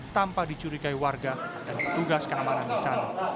tanpa dicurigai warga dan petugas keamanan di sana